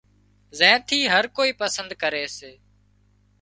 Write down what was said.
زين ٿي هر ڪوئي پسند ڪري سي